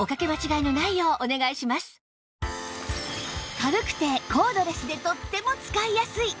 軽くてコードレスでとっても使いやすい